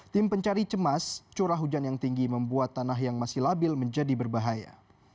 tim pencari cemas curah hujan yang tinggi membuat tanah yang masih labil menjadi berbahaya